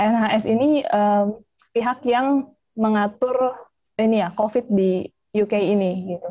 nhs ini pihak yang mengatur covid di uk ini